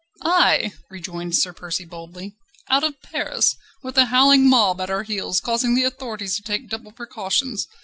"Aye!" rejoined Sir Percy boldly; "out of Paris! with a howling mob at our heels causing the authorities to take double precautions.